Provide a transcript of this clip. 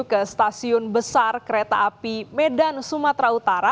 ke stasiun besar kereta api medan sumatera utara